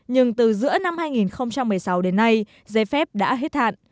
nhưng từ giữa năm hai nghìn một mươi sáu đến nay giấy phép đã hết hạn